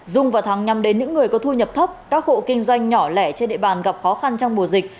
dung và thắng nhằm đến những người có thu nhập thấp các hộ kinh doanh nhỏ lẻ trên địa bàn gặp khó khăn trong mùa dịch